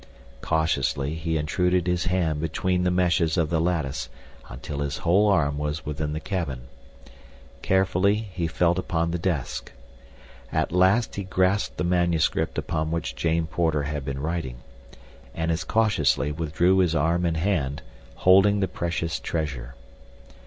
Cautiously he intruded his hand between the meshes of the lattice until his whole arm was within the cabin. Carefully he felt upon the desk. At last he grasped the manuscript upon which Jane Porter had been writing, and as cautiously withdrew his arm and hand, holding the precious treasure.